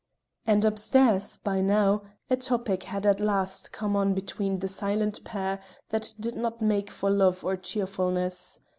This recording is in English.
And upstairs, by now, a topic had at last come on between the silent pair that did not make for love or cheerfulness.